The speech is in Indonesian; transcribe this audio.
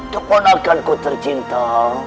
keponakan ku tercinta